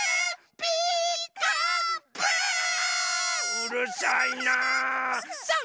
うるさいなあ！